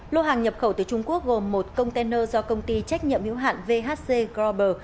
lô hàng nhập khẩu từ trung quốc gồm một container do công ty trách nhiệm hữu hạn vhc grover